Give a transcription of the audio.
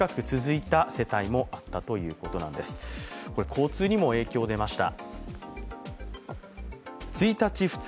交通にも影響が出ました。